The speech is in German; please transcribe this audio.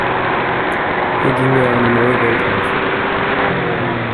Hier ging mir eine neue Welt auf.